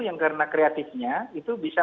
yang karena kreatifnya itu bisa